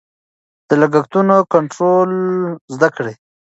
د لګښتونو کنټرول زده کړه.